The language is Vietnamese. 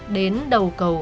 đến đầu cầu